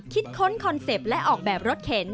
ค้นคอนเซ็ปต์และออกแบบรถเข็น